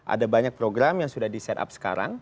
ada banyak program yang sudah di set up sekarang